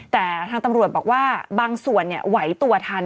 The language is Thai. แต่ทางตำรวจบอกว่าบางส่วนไหวตัวทัน